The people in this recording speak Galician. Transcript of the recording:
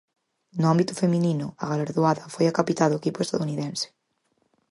No ámbito feminino, a galardoada foi a capitá do equipo estadounidense.